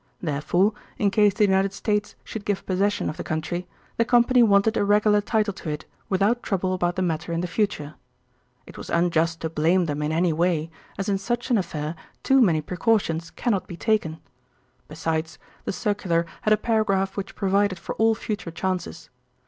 Therefore, in case the United States should give possession of the country, the Company wanted a regular title to it without trouble about the matter in the future. It was unjust to blame them in any way, as in such an affair too many precautions cannot be taken. Besides, the circular had a paragraph which provided for all future chances.